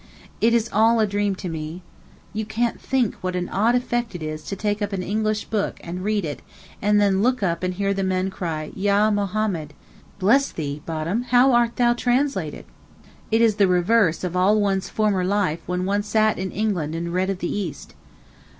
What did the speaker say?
It is all a dream to me. You can't think what an odd effect it is to take up an English book and read it and then look up and hear the men cry, 'Yah Mohammad.' 'Bless thee, Bottom, how art thou translated;' it is the reverse of all one's former life when one sat in England and read of the East.